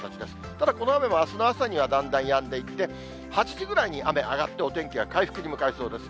ただ、この雨もあすの朝にはだんだんやんでいって、８時ぐらいに雨が上がって、お天気が回復に向かいそうです。